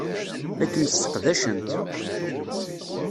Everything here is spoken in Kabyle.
La kem-sseqdacent.